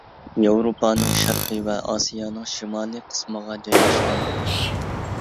ياۋروپانىڭ شەرقىي ۋە ئاسىيانىڭ شىمالىي قىسمىغا جايلاشقان.